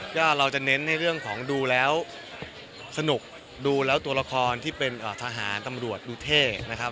ก็เราจะเน้นในเรื่องของดูแล้วสนุกดูแล้วตัวละครที่เป็นทหารตำรวจดูเท่นะครับ